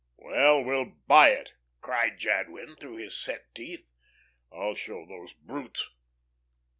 "Well, we'll buy it," cried Jadwin, through his set teeth. "I'll show those brutes.